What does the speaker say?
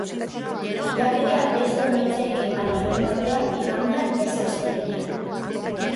Bilaketak ez du emaitzarik eman larunbatean, igandean, ez astelehenean.